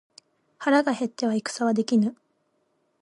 腹が減っては戦はできぬ。